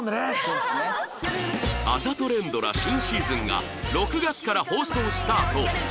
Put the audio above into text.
あざと連ドラ新シーズンが６月から放送スタート！